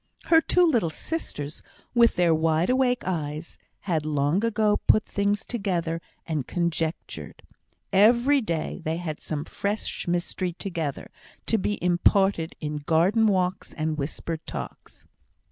Her two little sisters, with their wide awake eyes, had long ago put things together, and conjectured. Every day they had some fresh mystery together, to be imparted in garden walks and whispered talks.